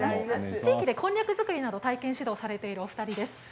地域でこんにゃく作りなどを体験指導をされているお二人です。